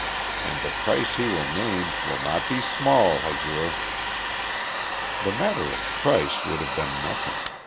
And the price he will name will not be small, Hazur." The matter of price would have been nothing.